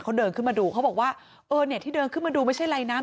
เขาเดินขึ้นมาดูเขาบอกว่าเออเนี่ยที่เดินขึ้นมาดูไม่ใช่อะไรนะ